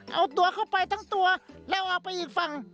เอาตัวเข้าไปทั้งตัวแล้วออกไปอีกฝั่ง